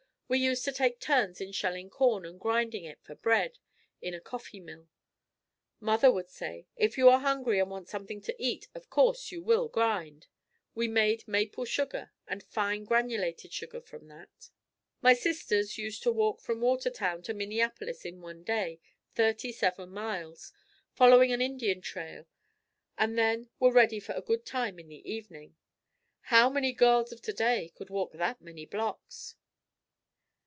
We used to take turns in shelling corn and grinding it, for bread, in a coffee mill. Mother would say, "If you are hungry and want something to eat of course you will grind." We made maple sugar and fine granulated sugar from that. My sisters used to walk from Watertown to Minneapolis in one day, thirty seven miles, following an Indian trail and then were ready for a good time in the evening. How many girls of today could walk that many blocks?